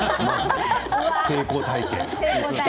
成功体験。